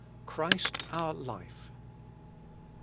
CHRIST OUR LIFE. VI.